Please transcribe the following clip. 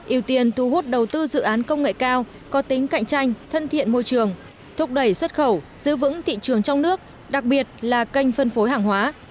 yêu tiên thu hút đầu tư dự án công nghệ cao có tính cạnh tranh thân thiện môi trường thúc đẩy xuất khẩu giữ vững thị trường trong nước đặc biệt là kênh phân phối hàng hóa